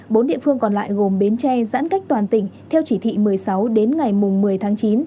bốn địa phương còn lại gồm bến tre giãn cách toàn tỉnh theo chỉ thị một mươi sáu đến ngày một mươi tháng chín